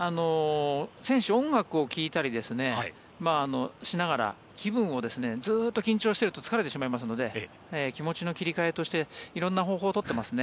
選手は音楽を聴いたりしながら気分をずっと緊張していると疲れてしまいますので気持ちの切り替えとして色んな方法を取っていますね